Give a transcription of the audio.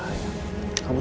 malah jadi anak yang gak baik